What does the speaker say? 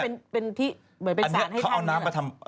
อันนี้เขาเอาน้ำไปทำ